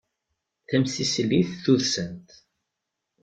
Tamsislit tuddsant.